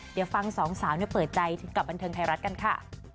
เดี๋ยวฟังสองสาวเปิดใจถึงกับบันเทิงไทยรัฐกันค่ะ